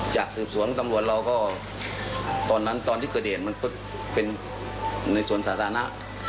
จากสืบสวนตำรวจเราก็ตอนนั้นตอนที่เกิดเหตุมันก็เป็นในส่วนสาธารณะ